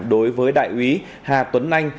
đối với đại úy hà tuấn anh